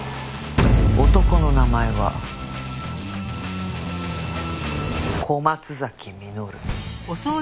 男の名前は小松崎実。